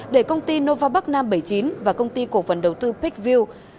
để công ty nova bắc nam bảy mươi chín và công ty cổ phần đầu tư pickview